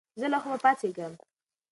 زه له خوبه پاڅېږم.